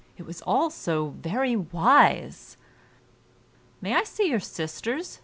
it was all so very wise. "May I see your sisters?"